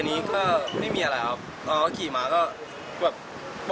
วันนี้ก็ไม่มีอะไรครับ